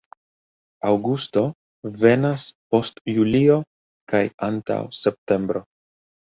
Aŭgusto venas post julio kaj antaŭ septembro.